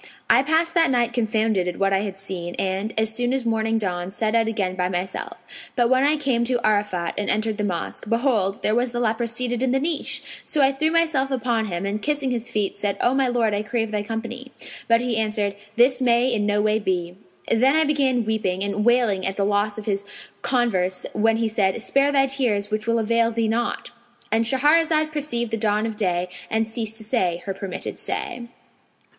I passed that night confounded at what I had seen; and, as soon as morning dawned, set out again by myself; but when I came to Arafat[FN#504] and entered the mosque, behold, there was the leper seated in the niche! So I threw myself upon him and kissing his feet said, 'O my lord, I crave thy company.' But he answered, 'This may in no way be.' Then I began weeping and wailing at the loss of his converse, when he said, 'Spare thy tears which will avail thee naught!'" And Shahrazad perceived the dawn of day and ceased to say her permitted say.